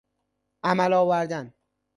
عمل آوردن